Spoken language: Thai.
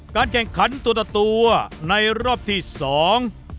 การแก่งขันตัวในรอบที่สอง